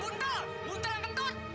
ikan buntul buntul yang kentut